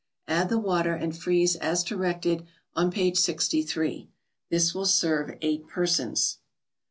Add the water, and freeze as directed on page 63. This will serve eight persons.